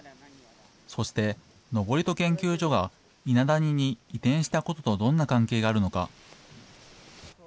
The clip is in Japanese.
そして、登戸研究所が伊那谷に移転したこととどんな関係があるのか。